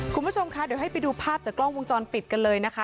คุณผู้ชมคะเดี๋ยวให้ไปดูภาพจากกล้องวงจรปิดกันเลยนะคะ